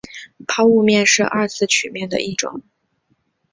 抛物面是二次曲面的一种。